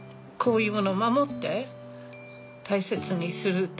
こういうもの守って大切にする。